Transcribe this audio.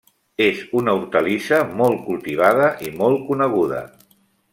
És una hortalissa molt cultivada i molt coneguda.